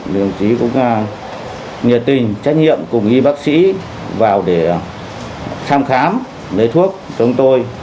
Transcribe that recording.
đồng chí cũng nhiệt tình trách nhiệm cùng y bác sĩ vào để thăm khám lấy thuốc chúng tôi